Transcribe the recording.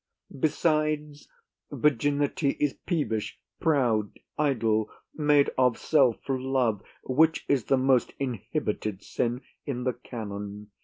Besides, virginity is peevish, proud, idle, made of self love, which is the most inhibited sin in the canon.